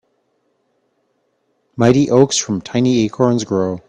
Mighty oaks from tiny acorns grow.